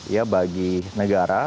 ya bagi negara